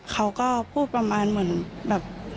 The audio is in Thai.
เขาก็พูดประมาณเหมือนแบบ